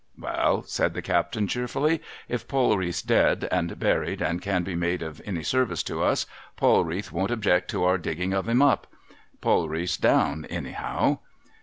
' Wa'al,' said the captain, cheerfully, ' if Polreatli's dead and buried, and can be made of any service to us, Polrcath won't object to our digging of him up. Polrcath's down, anyhow.'